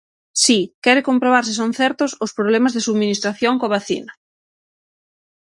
Si, quere comprobar se son certos os problemas de subministración coa vacina.